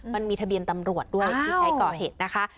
มันมีทะเบียนตำรวจด้วยที่ใช้ก่อเหตุนะคะ